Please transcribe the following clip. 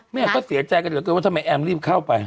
ไม่แม่ก็เสียใจกันกับกันว่าทำไมแอมรีบเข้าไป